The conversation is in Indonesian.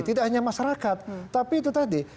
tidak hanya masyarakat tapi itu tadi